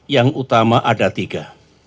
yang utama ada tiga